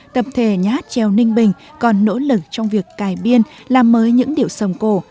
tập thể nhà hát trèo ninh bình còn nỗ lực trong việc cài biên làm mới những điệu sầm cổ